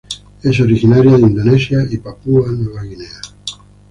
Es originaria de Indonesia y Papúa Nueva Guinea.